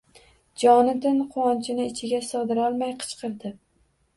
Jonatan quvonchini ichiga sig‘dirolmay qichqirdi